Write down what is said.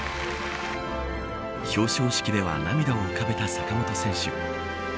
表彰式では涙を浮かべた坂本選手。